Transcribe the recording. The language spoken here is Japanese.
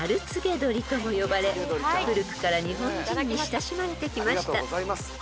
鳥とも呼ばれ古くから日本人に親しまれてきました］